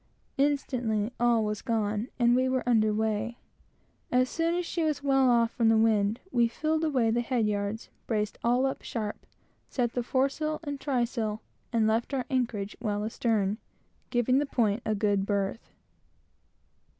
Instantly all was gone, and we were under weigh. As soon as she was well off from the wind, we filled away the head yards, braced all up sharp, set the foresail and trysail, and left our anchorage well astern, giving the point a good berth.